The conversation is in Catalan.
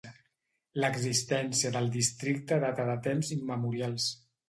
L'existència del districte data de temps immemorials.